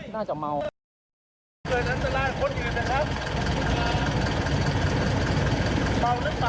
ก็ไม่รู้เขาจะไปน่าจะเมา